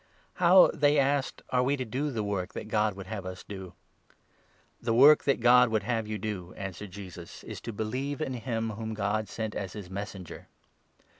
"How," they asked, "are we to do the work that God 28 would have us do ?"" The work that God would have you do," answered Jesus, 29 "is to believe in him whom God sent as his Messenger."